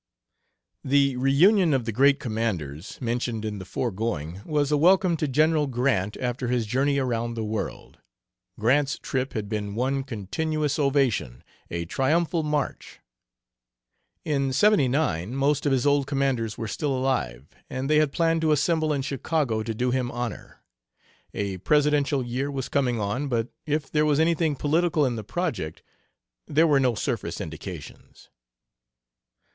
The "Reunion of the Great Commanders," mentioned in the foregoing, was a welcome to General Grant after his journey around the world. Grant's trip had been one continuous ovation a triumphal march. In '79 most of his old commanders were still alive, and they had planned to assemble in Chicago to do him honor. A Presidential year was coming on, but if there was anything political in the project there were no surface indications.